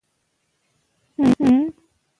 هوا نن د اوږده مزل لپاره مناسبه ښکاري